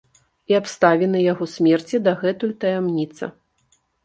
І абставіны яго смерці дагэтуль таямніца.